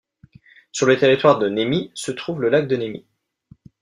Sur le territoire de Nemi se trouve le lac de Nemi.